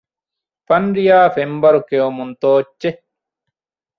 ފަންރިޔާ ފެންބަރު ކެއުމުން ތޯއްޗެއް